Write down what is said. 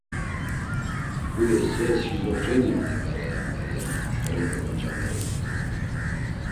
“Huy esse şizofreni oni bere?” ya Meryemi tolepe goncameri.